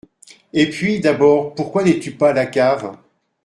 Et puis, d'abord, pourquoi n'es-tu pas à la cave ?